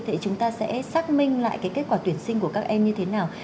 thì chúng ta sẽ xác minh lại cái kết quả tuyển sinh của các em như thế nào